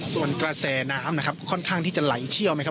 ส่วนกระแสน้ำนะครับค่อนข้างที่จะไหลเชี่ยวไหมครับ